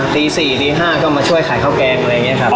ตี๔ตี๕ก็มาช่วยขายข้าวแกงอะไรอย่างนี้ครับ